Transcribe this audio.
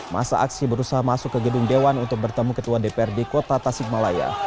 masa aksi berusaha masuk ke gedung dewan untuk bertemu ketua dprd kota tasikmalaya